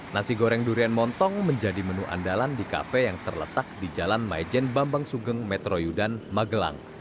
nasi goreng durian montong menjadi menu andalan di kafe yang terletak di jalan majen bambang sugeng metro yudan magelang